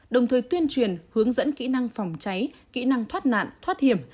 đồng thời tuyên truyền hướng dẫn kỹ năng phòng cháy kỹ năng thoát nạn thoát hiểm